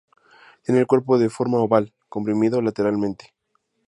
Tiene el cuerpo en forma oval, comprimido lateralmente.